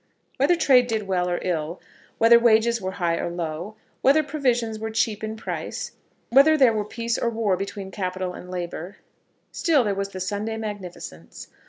Whether trade did well or ill, whether wages were high or low, whether provisions were cheap in price, whether there were peace or war between capital and labour, still there was the Sunday magnificence.